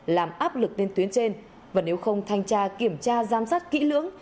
làm áp lực lên tuyến trên và nếu không thanh tra kiểm tra giám sát kỹ lưỡng